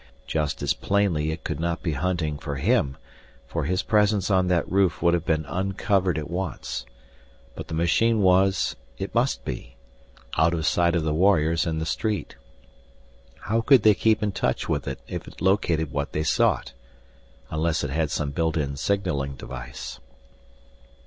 Just as plainly it could not be hunting for him, for his presence on that roof would have been uncovered at once. But the machine was it must be out of sight of the warriors in the street. How could they keep in touch with it if it located what they sought? Unless it had some built in signaling device.